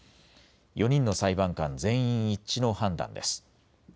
４人の裁判官全員一致の判断です。